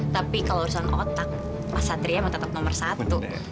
tapi kalau urusan otak mas satria tetap nomor satu